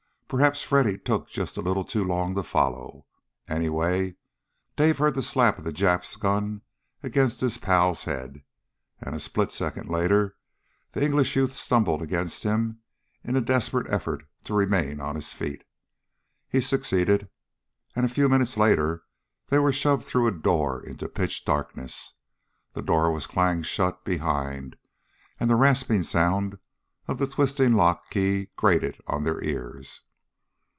Perhaps Freddy took just a little too long to follow. Anyway, Dave heard the slap of the Jap's gun against his pal's head and a split second later the English youth stumbled against him in a desperate effort to remain on his feet. He succeeded, and a few minutes later they were shoved through a door into pitch darkness, the door was clanged shut behind, and the rasping sound of the twisting lock key grated on their ears.